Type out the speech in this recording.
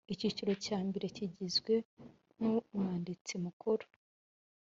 Icyiciro cya mbere kigizwe n Umwanditsi Mukuru